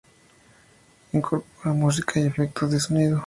Incorpora música y efectos de sonido.